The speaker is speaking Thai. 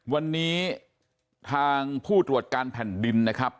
วันนี้ทางผู้ตรวจการแผ่นดินนะครับ